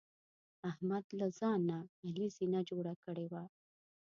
احمد له ځان نه علي زینه جوړه کړې ده.